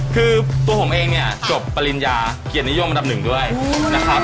คือตัวผมเองเนี่ยจบปริญญาเกียรตินิยมอันดับหนึ่งด้วยนะครับ